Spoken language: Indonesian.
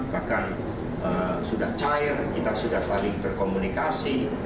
bahkan sudah cair kita sudah saling berkomunikasi